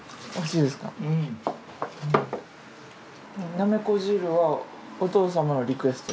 なめこ汁はお父様のリクエスト？